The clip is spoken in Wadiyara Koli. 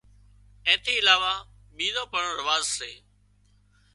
اين ٿِي علاوه ٻيزا پڻ رواز سي